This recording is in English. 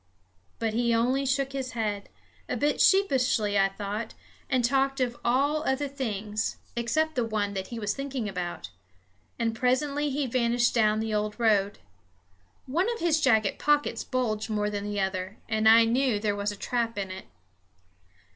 But he only shook his head a bit sheepishly, I thought and talked of all things except the one that he was thinking about; and presently he vanished down the old road. One of his jacket pockets bulged more than the other, and I knew there was a trap in it.